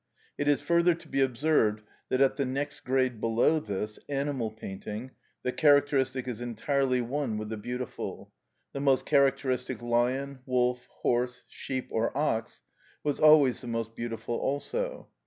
It is further to be observed that at the next grade below this, animal painting, the characteristic is entirely one with the beautiful; the most characteristic lion, wolf, horse, sheep, or ox, was always the most beautiful also.